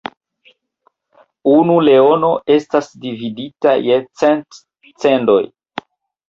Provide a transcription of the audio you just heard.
Unu leono estas dividita je cent "cendoj".